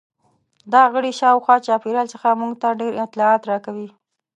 دا غړي شاوخوا چاپیریال څخه موږ ته ډېر اطلاعات راکوي.